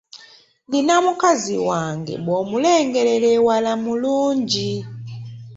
Nnina mukazi wange; bw'omulengerera ewala mulungi.